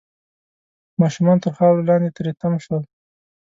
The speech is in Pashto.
ماشومان تر خاورو لاندې تري تم شول